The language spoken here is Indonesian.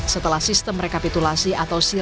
setelah sistem rekapitulasi suara diperlukan